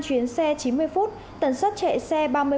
chuyến xe chín mươi phút tần suất chạy xe